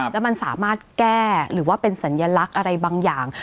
แล้วมันสามารถแก้หรือว่าเป็นสัญลักษณ์อะไรบางอย่าง